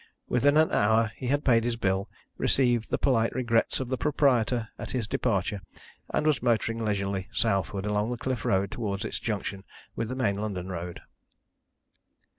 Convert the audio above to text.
Within an hour he had paid his bill, received the polite regrets of the proprietor at his departure, and was motoring leisurely southward along the cliff road towards its junction with the main London road.